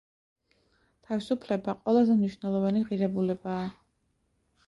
თავისუფლება ყველაზე მნიშვნელოვანი ღირებულებაა.